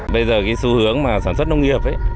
bây giờ cái xu hướng mà sản xuất nông nghiệp ấy